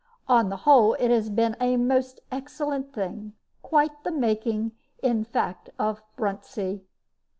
On the whole, it has been a most excellent thing quite the making, in fact, of Bruntsea."